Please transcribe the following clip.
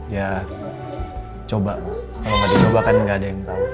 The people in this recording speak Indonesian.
ya coba kalo gak di coba kan gak ada yang tau